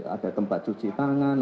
ada tempat cuci tangan